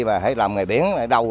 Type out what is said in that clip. mà hãy làm ngày biển ở đâu